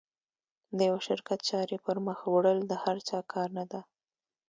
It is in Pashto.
د یوه شرکت چارې پر مخ وړل د هر چا کار نه ده.